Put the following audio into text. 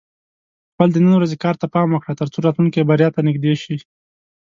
خپل د نن ورځې کار ته پام وکړه، ترڅو راتلونکې بریا ته نږدې شې.